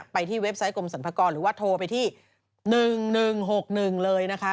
ที่เว็บไซต์กรมสรรพากรหรือว่าโทรไปที่๑๑๖๑เลยนะคะ